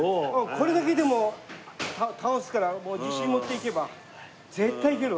これだけでも倒すから自信持っていけば絶対いける。